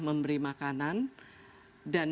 memberi makanan dan